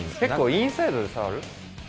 インサイドで触る。